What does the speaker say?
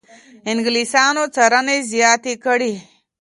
انګلیسانو څارنې زیاتې کړې.